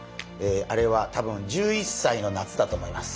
あれはたぶん１１さいの夏だと思います。